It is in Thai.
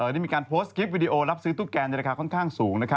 ได้มีการโพสต์คลิปวิดีโอรับซื้อตุ๊กแกในราคาค่อนข้างสูง